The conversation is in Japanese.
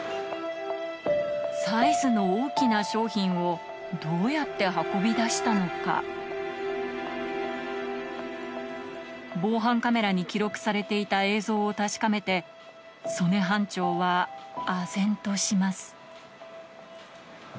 サイズの大きな商品をどうやって運び出したのか防犯カメラに記録されていた映像を確かめて曽根班長はあぜんとします